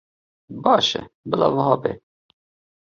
Baş e, bila wiha be.